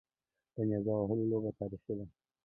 د نیزه وهلو لوبه تاریخي ده